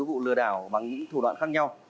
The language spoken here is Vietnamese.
vụ lừa đảo bằng những thủ đoạn khác nhau